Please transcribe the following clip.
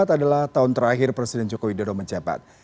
dua ribu dua puluh empat adalah tahun terakhir presiden joko widodo menjabat